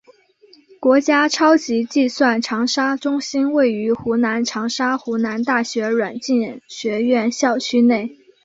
国家超级计算长沙中心位于湖南长沙湖南大学软件学院校区内。